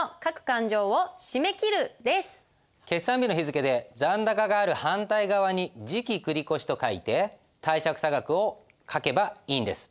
決算日の日付で残高がある反対側に「次期繰り越し」と書いて貸借差額を書けばいいんです。